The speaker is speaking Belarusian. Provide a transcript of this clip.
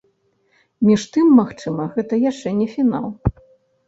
Між тым, магчыма, гэта яшчэ не фінал.